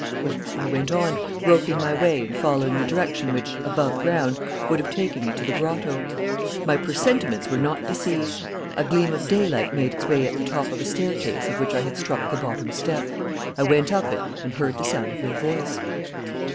"Well, I went on, groping my way and following the direction which, above ground, would have taken me to the grotto. My presentiments were not deceived. A gleam of daylight made its way at the top of a staircase of which I had struck the bottom step. I went up it and heard the sound of your voice."